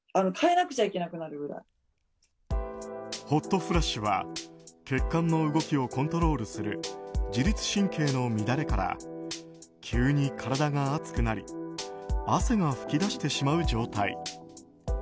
ホットフラッシュは血管の動きをコントロールする自律神経の乱れから急に体が熱くなり汗が噴き出してしまう状態。